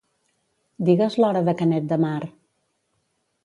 Digues l'hora de Canet de Mar.